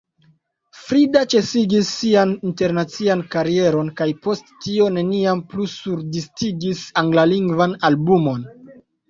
Frida ĉesigis sian internacian karieron kaj post tio neniam plu surdiskigis anglalingvan albumon.